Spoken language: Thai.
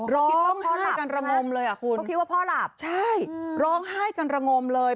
คิดว่าพ่อหลับใช่ไหมเค้าคิดว่าพ่อหลับใช่ร้องไห้กันระงมเลย